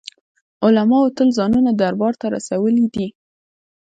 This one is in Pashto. علماوو تل ځانونه دربار ته رسولي دي.